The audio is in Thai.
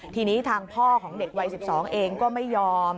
ทีนี้ทางพ่อของเด็กวัย๑๒เองก็ไม่ยอม